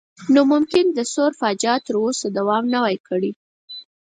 نو ممکن د ثور فاجعه تر اوسه دوام نه وای کړی.